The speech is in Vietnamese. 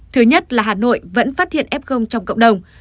thứ nhất là hà nội vẫn phát hiện f trong cộng đồng